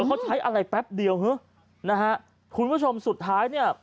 เขาใช้อะไรแป๊บเดียวฮะนะฮะคุณผู้ชมสุดท้ายเนี่ย